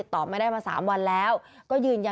และความสุขของคุณค่ะ